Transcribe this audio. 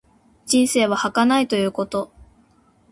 人生は儚いということ。